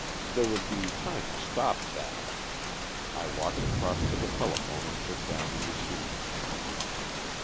There would be time to stop that. I walked across to the telephone and took down the receiver.